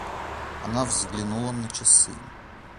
Она взглянула на часы.